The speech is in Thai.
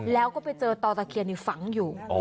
แล้วก็ไปเจอต่อตะเคียนฝังอยู่